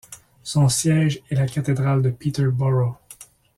Son siège est la cathédrale de Peterborough.